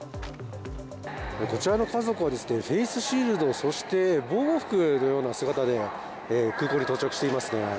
こちらの家族はフェイスシールド、そして防護服のような姿で空港に到着していますね。